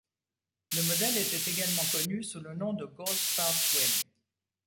Le modèle était également connu sous le nom de Gold Star Twin.